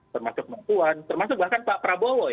termasuk mafuan termasuk bahkan pak prabowo ya